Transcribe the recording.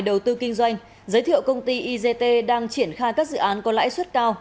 đầu tư kinh doanh giới thiệu công ty igt đang triển khai các dự án có lãi suất cao